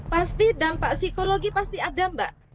pasti dampak psikologi pasti ada mbak